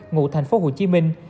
ngụ thành phố hồ chí minh